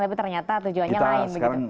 tapi ternyata tujuannya lain kita sekarang